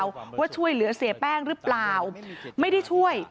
ว่าช่วยเหลือเสียแป้งหรือเปล่าไม่ได้ช่วย